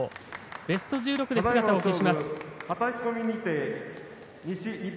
ベスト１６で姿を消します。